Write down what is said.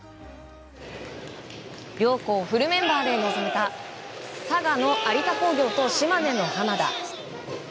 両校フルメンバーで臨んだ佐賀の有田工業と島根の浜田。